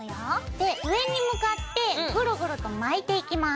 で上に向かってグルグルと巻いていきます。